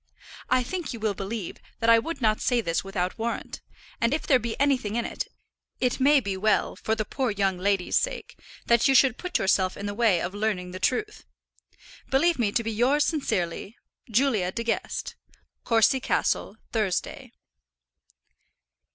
I think you will believe that I would not say this without warrant, and if there be anything in it, it may be well, for the poor young lady's sake, that you should put yourself in the way of learning the truth. Believe me to be yours sincerely, JULIA DE GUEST. Courcy Castle, Thursday.